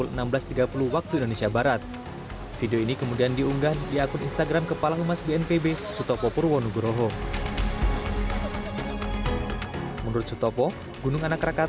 letusan mencapai sekitar dua ribu meter